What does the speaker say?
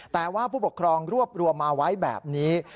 แต่ว่าผู้ปกครองรวบรวมมาไว้แบบนี้